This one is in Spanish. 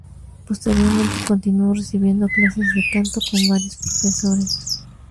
Posteriormente, continuó recibiendo clases de canto con varios profesores.